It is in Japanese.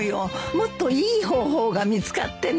もっといい方法が見つかってね。